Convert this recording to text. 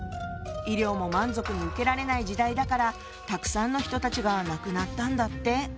医療も満足に受けられない時代だからたくさんの人たちが亡くなったんだって。